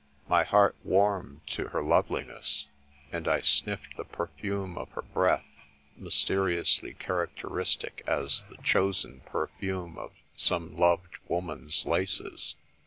My heart warmed to her loveliness, and I sniflfed the perfume of her breath, mysteriously characteristic as the chosen perfume of some loved woman's laces.